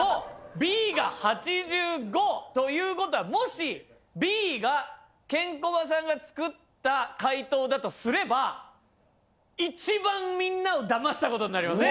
Ｂが８５。ということはもしＢがケンコバさんが作った解答だとすれば一番みんなを騙したことになりますね。